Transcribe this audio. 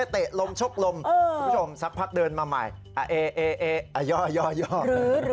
เทะลมชกลมทุกผู้ชมซับพักเดินมาใหม่